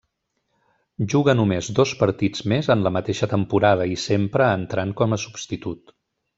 Juga només dos partits més en la mateixa temporada i sempre entrant com a substitut.